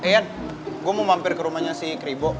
yan gue mau mampir ke rumahnya si keribu